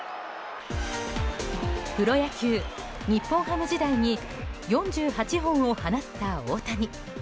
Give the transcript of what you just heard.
プロ野球、日本ハム時代に４８本を放った大谷。